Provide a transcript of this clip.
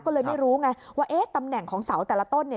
ก็เลยไม่รู้ไงว่าเอ๊ะตำแหน่งของเสาแต่ละต้นเนี่ย